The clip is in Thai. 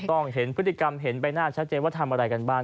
ต้องเห็นพฤติกรรมเห็นใบหน้าชัดเจนว่าทำอะไรกันบ้าง